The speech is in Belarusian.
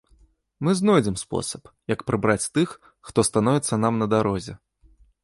Мы знойдзем спосаб, як прыбраць тых, хто становіцца нам на дарозе!